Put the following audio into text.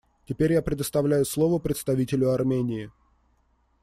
Теперь я предоставляю слово представителю Армении.